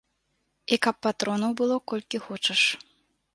І каб патронаў было колькі хочаш.